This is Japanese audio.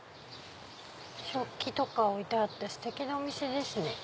食器とか置いてあってステキなお店ですね。